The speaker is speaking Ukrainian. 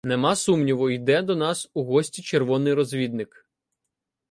Нема сумніву: йде до нас у гості червоний розвідник.